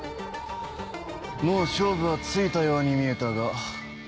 もう勝負はついたように見えたが。